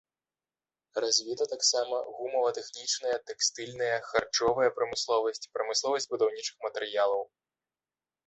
Развіта таксама гумава-тэхнічная, тэкстыльная, харчовая прамысловасць, прамысловасць будаўнічых матэрыялаў.